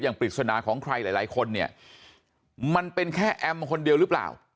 ปริศนาของใครหลายคนเนี่ยมันเป็นแค่แอมคนเดียวหรือเปล่า